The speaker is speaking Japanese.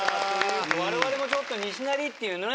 我々もちょっと西成っていうのね